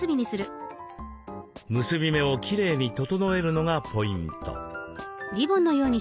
結び目をきれいに整えるのがポイント。